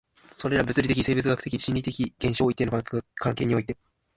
それら物理的、生物学的、心理的現象を一定の関係において